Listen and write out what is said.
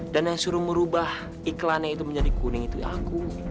dan yang suruh merubah iklannya itu menjadi kuning itu aku